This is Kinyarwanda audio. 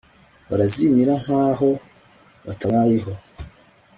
barazimira nk'aho batabayeho